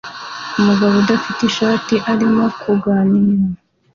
Umugabo udafite ishati arimo kuganira